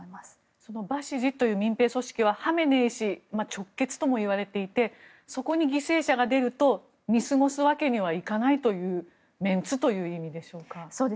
そのバシジという民兵組織はハメネイ師直結ともいわれていてそこに犠牲者が出ると見過ごすわけにはいかないというメンツという意味でしょうか。